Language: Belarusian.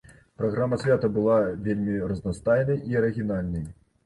Праграма свята была вельмі разнастайнай і арыгінальнай.